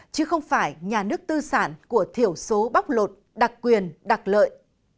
chứ không phải nhà nước tư sản của thiểu số bóc lột đặc quyền đặc lợi